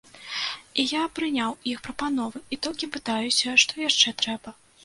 І я прыняў іх прапановы і толькі пытаюся, што яшчэ трэба.